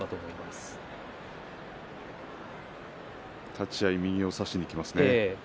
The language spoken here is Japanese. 立ち合い右を差しにいきますね。